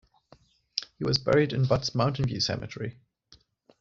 He was buried in Butte's Mountain View Cemetery.